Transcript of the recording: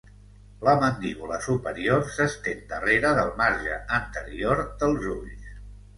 La mandíbula superior s'estén darrere del marge anterior dels ulls.